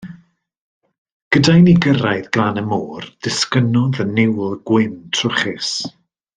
Gyda i ni gyrraedd glan y môr, disgynnodd y niwl gwyn trwchus.